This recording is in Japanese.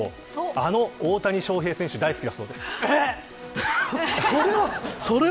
あの大谷翔平選手大好きだそうです。